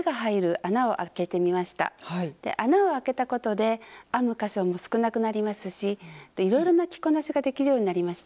穴をあけたことで編む箇所も少なくなりますしいろいろな着こなしができるようになりました。